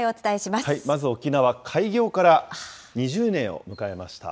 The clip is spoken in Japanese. まずは沖縄、開業から２０年を迎えました。